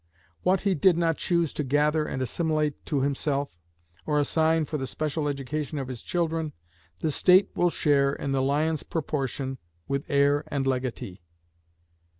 What he did not choose to gather and assimilate to himself, or assign for the special education of his children, the State will share in the lion's proportion with heir and legatee.